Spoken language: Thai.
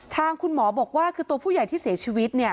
ทางคุณหมอบอกว่าคือตัวผู้ใหญ่ที่เสียชีวิตเนี่ย